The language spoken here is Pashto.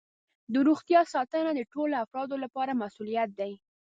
د روغتیا ساتنه د ټولو افرادو لپاره مسؤولیت دی.